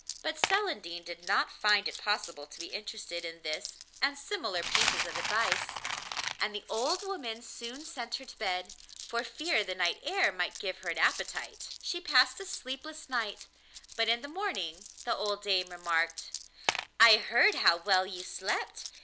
But Celandine did not find it possible to be interested in this and similar pieces of advice. And the old woman soon sent her to bed, for fear the night air might give her an appetite. She passed a sleepless night; but in the morning the old dame remarked: 'I heard how well you slept.